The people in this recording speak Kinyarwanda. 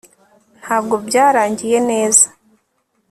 ntabwo byarangiye neza